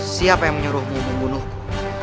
siapa yang menyuruhmu membunuhku